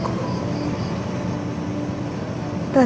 aku selalu melindungi aku